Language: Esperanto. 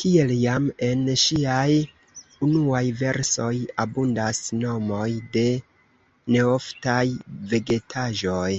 Kiel jam en ŝiaj unuaj versoj, abundas nomoj de neoftaj vegetaĵoj.